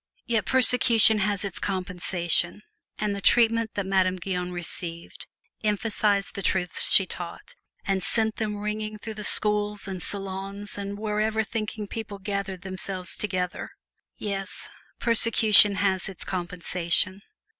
Yet persecution has its compensation, and the treatment that Madame Guyon received emphasized the truths she taught and sent them ringing through the schools and salons and wherever thinking people gathered themselves together. Yes, persecution has its compensation.